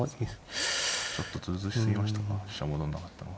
ちょっとずうずうしすぎましたか飛車戻んなかったのは。